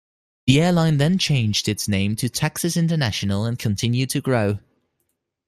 The airline then changed its name to Texas International and continued to grow.